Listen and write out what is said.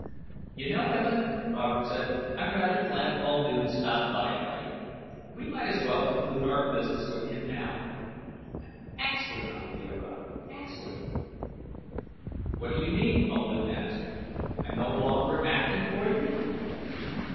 "You know, Evin," Robert said, "I'm rather glad Muldoon stopped by tonight. We might as well conclude our business with him now." "An excellent idea, Robert. Excellent." "What do you mean?" Muldoon asked. "I no longer am acting for you?"